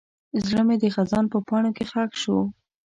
زړه مې د خزان په پاڼو کې ښخ شو.